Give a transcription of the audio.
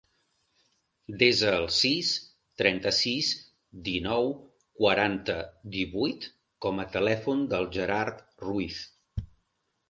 Desa el sis, trenta-sis, dinou, quaranta, divuit com a telèfon del Gerard Ruiz.